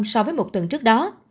so với một tuần trước đó